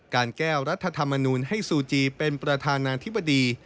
การแก้วรัฐธรรมนูลให้ซูจีเป็นประธานาธิบดี